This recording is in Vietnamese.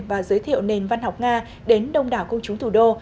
và giới thiệu nền văn học nga đến đông đảo công chúng thủ đô